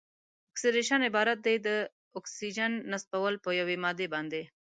اکسیدیشن عبارت دی له د اکسیجن نصبول په یوې مادې باندې.